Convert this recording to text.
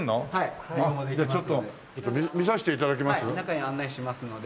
中へ案内しますので。